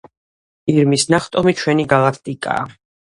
ირმის ნახტომი ჩვენი გალაქტიკაა